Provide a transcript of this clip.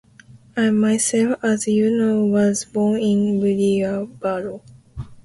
I myself, as you know, was born in Bilbao.